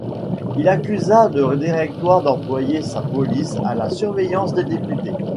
Il accusa le Directoire d'employer sa police à la surveillance des députés.